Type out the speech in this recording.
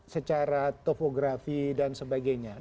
secara topografi dan sebagainya